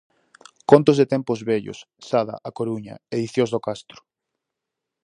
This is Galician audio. Contos de tempos vellos, Sada - A Coruña: Ediciós do Castro.